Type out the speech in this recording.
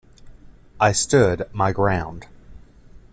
I stood my ground.